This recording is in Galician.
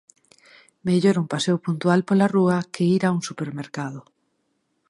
Mellor un paseo puntual pola rúa que ir a un supermercado.